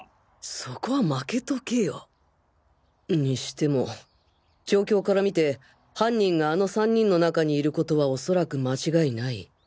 そこは負けとけよ。にしても状況から見て犯人があの３人の中にいることはおそらく間違いない。